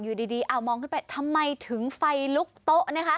อยู่ดีอ้าวมองเข้าไปทำไมถึงไฟลุกโต๊ะ